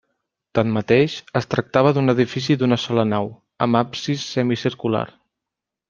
Tanmateix, es tractava d'un edifici d'una sola nau, amb absis semicircular.